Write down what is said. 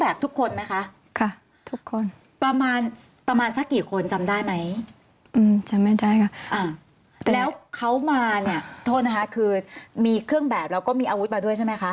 แล้วเขามาเนี่ยโทษนะคะคือมีเครื่องแบบแล้วก็มีอาวุธมาด้วยใช่ไหมคะ